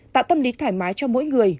tạo tâm lý thoải mái cho mỗi người